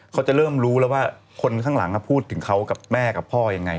เขาจะเริ่มรู้แล้วว่าคนข้างหลังพูดถึงเขากับแม่กับพ่อยังไง